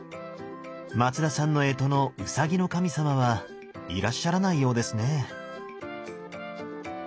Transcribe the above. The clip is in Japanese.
松田さんの干支の卯の神様はいらっしゃらないようですね。